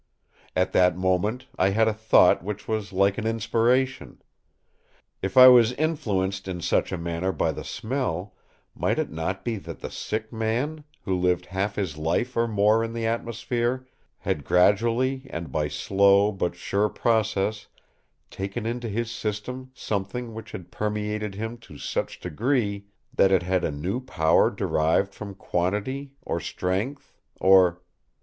At that moment I had a thought which was like an inspiration. If I was influenced in such a manner by the smell, might it not be that the sick man, who lived half his life or more in the atmosphere, had gradually and by slow but sure process taken into his system something which had permeated him to such degree that it had a new power derived from quantity—or strength—or....